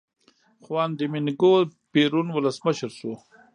خوان دومینګو پېرون ولسمشر شو.